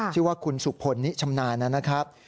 ชื่อว่าคุณสุพลนิชำนาญนะครับ